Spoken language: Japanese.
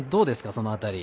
その辺り。